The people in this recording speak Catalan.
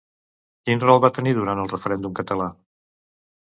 Quin rol va tenir durant el Referèndum català?